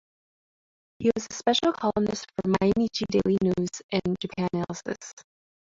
He was a special columnist for Mainichi Daily News and Japanalysis.